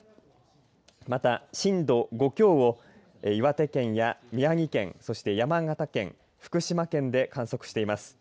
また震度５強を岩手県や宮城県、そして山形県福島県で観測しています。